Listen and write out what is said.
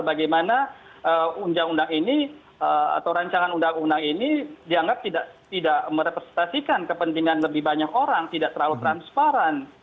bagaimana undang undang ini atau rancangan undang undang ini dianggap tidak merepresentasikan kepentingan lebih banyak orang tidak terlalu transparan